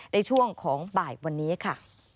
ในช่วงของบ่ายวันนี้ค่ะ